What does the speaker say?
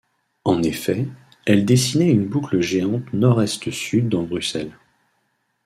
En effet, elle dessinait une boucle géante nord-est-sud dans Bruxelles.